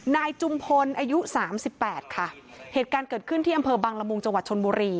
นายจุมพลอายุสามสิบแปดค่ะเหตุการณ์เกิดขึ้นที่อำเภอบังละมุงจังหวัดชนบุรี